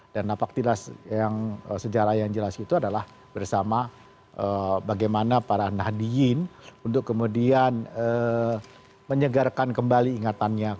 dan napaktilas sejarah yang jelas itu adalah bersama bagaimana para nahdiyin untuk kemudian menyegarkan kembali ingatannya